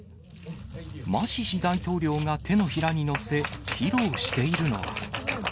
マシシ大統領が手のひらに載せ披露しているのは。